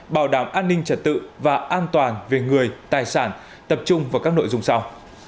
bảo đảm an ninh trật tự và an toàn về người tài sản tập trung vào các nội dung sau